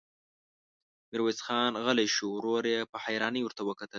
ميرويس خان غلی شو، ورور يې په حيرانۍ ورته کتل.